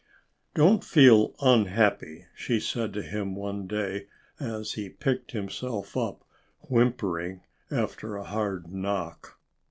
"Don't feel unhappy!" she said to him one day as he picked himself up, whimpering, after a hard knock.